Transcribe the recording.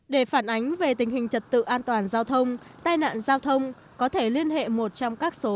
để phản ánh về tình hình trật tự an toàn giao thông tai nạn giao thông có thể liên hệ một trong các số chín trăm tám mươi chín tám mươi tám bảy trăm một mươi chín